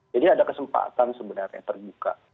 jadi ada kesempatan sebenarnya terbuka